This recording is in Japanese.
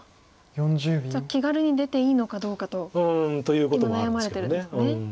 じゃあ気軽に出ていいのかどうかと今悩まれてるんですね。